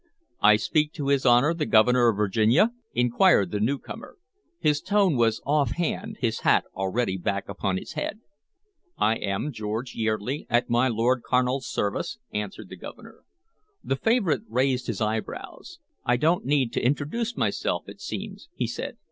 "I speak to his Honor the Governor of Virginia?" inquired the newcomer. His tone was offhand, his hat already back upon his head. "I am George Yeardley, at my Lord Carnal's service," answered the Governor. The favorite raised his eyebrows. "I don't need to introduce myself, it seems," he said.